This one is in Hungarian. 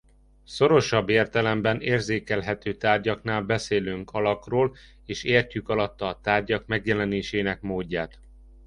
Szorosabb értelemben érzékelhető tárgyaknál beszélünk alakról és értjük alatta a tárgyak megjelenésének módját.